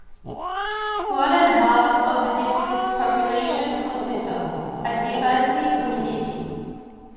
More than half of the district's population consists of Adivasi community.